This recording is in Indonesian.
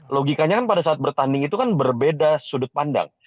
logikanya kan pada saat bertanding itu kan berbeda sudut pandang